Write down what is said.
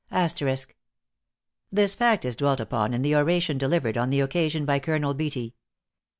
This fact is dwelt upon in the oration delivered on the occasion by Colonel Beatty. Dr.